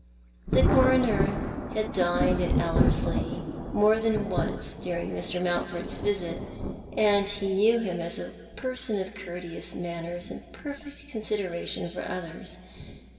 The Coroner had dined at Ellerslic more than once during Mr. Mountford's visit, and he knew him as a person of courteous manners and perfect consideration for others.